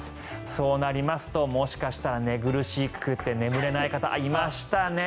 そうなりますともしかしたら寝苦しくて眠れない方いましたね！